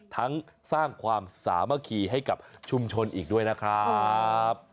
ทั้งของสร้างศาบัโมคีให้กับชุมชนอีกด้วยนะครับ